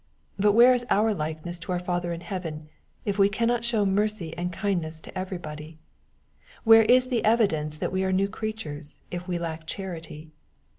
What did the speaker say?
But where is our likeness to our Father in heaven, if we cannot show mercy and kind ness to everybody ? Where is the evidence that we are new creatures, if we lack charity